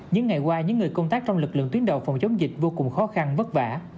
những ngày qua những người công tác trong lực lượng tuyến đầu phòng chống dịch vô cùng khó khăn vất vả